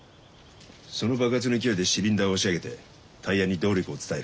その爆発の勢いでシリンダーを押し上げてタイヤに動力を伝える。